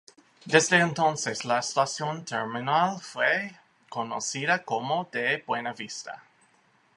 Desde entonces, la estación terminal fue conocida como de Buenavista.